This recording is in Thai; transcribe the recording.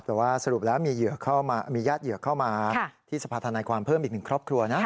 แต่ว่าสรุปแล้วมีญาติเหยื่อเข้ามาที่สภาธนายความเพิ่มอีกหนึ่งครอบครัวนะ